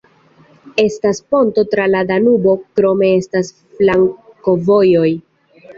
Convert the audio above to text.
Estas ponto tra la Danubo, krome estas flankovojoj.